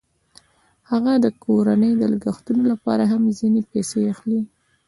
هغه د کورنۍ د لګښتونو لپاره هم ځینې پیسې اخلي